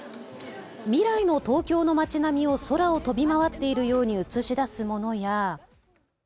未来の東京の町並みを空を飛び回っているように映し出すものや。